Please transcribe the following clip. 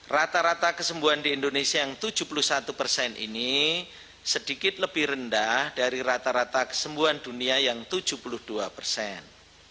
rata rata kesembuhan di indonesia yang tujuh puluh satu persen ini sedikit lebih rendah dari rata rata kesembuhan dunia yang tujuh puluh dua persen